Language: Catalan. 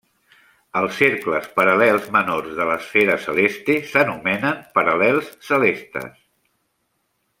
Els cercles paral·lels menors de l'esfera celeste s'anomenen paral·lels celestes.